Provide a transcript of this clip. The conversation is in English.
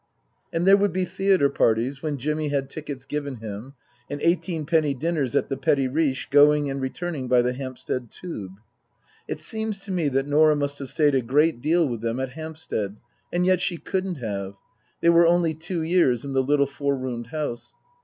And there would be theatre parties when Jimmy had tickets given him, and eighteenpenny dinners at the " Petit Riche," going and returning by the Hampstead Tube. It seems to me that Norah must have stayed a great deal with them at Hampstead, and yet she couldn't have ; they were only two years in the little four roomed house.